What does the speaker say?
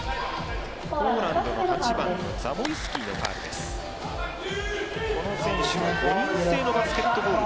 ポーランドの８番のザモイスキーのファウル。